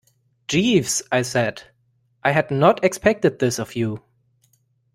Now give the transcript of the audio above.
"Jeeves," I said, "I had not expected this of you."